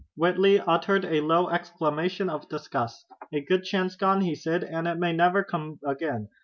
Whitley uttered a low exclamation of disgust. "A good chance gone," he said, "and it may never come again.